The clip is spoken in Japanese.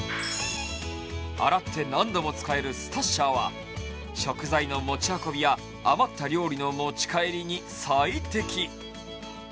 洗って何度も使えるスタッシャーは食材の持ち運びや余った料理の持ち帰りに最適。